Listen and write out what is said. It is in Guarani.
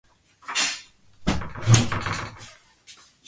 ohechakuaa tuichaite iñambueha opaite mba'e chugui